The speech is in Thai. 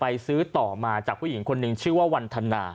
ซื้อต่อมาจากผู้หญิงคนหนึ่งชื่อว่าวันธนา